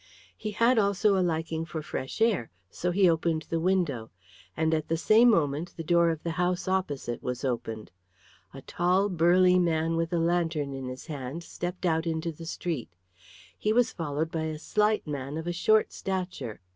He had also a liking for fresh air, so he opened the window, and at the same moment the door of the house opposite was opened. A tall burly man with a lantern in his hand stepped out into the street; he was followed by a slight man of a short stature.